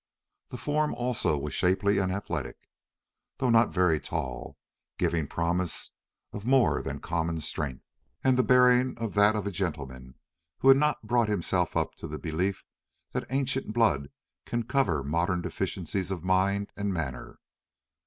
The form also was shapely and athletic, though not very tall, giving promise of more than common strength, and the bearing that of a gentleman who had not brought himself up to the belief that ancient blood can cover modern deficiencies of mind and manner.